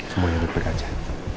semuanya dapet aja